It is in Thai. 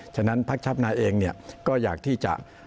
ฉะนั้นพักชาวนาเองก็อยากที่จะ